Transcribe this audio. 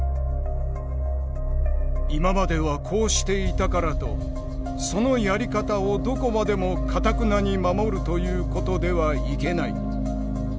「今まではこうしていたからとそのやり方をどこまでもかたくなに守るということではいけない。